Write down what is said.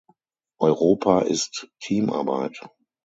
Europa ist Teamarbeit.